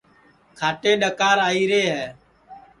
کھاٹے ڈؔکار آئیرے ہے